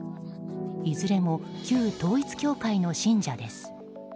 いずれも旧統一教会の信者です。